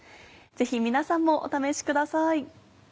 ぜひ皆さんもお試しください。